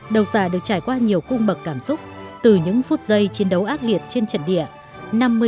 đọc giả được trải qua nhiều cung bậc cảm xúc từ những phút giây chiến đấu ác liệt trên trận địa